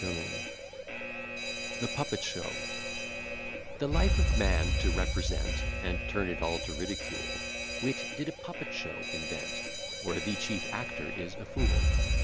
_] THE PUPPET SHOW The life of man to represent, And turn it all to ridicule, Wit did a puppet show invent, Where the chief actor is a fool.